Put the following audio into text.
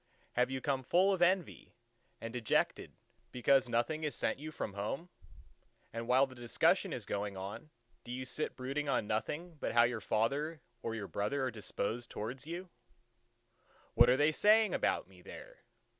Have you come full of envy, and dejected because nothing is sent you from home; and while the discussion is going on, do you sit brooding on nothing but how your father or your brother are disposed towards you:—"What are they saying about me there?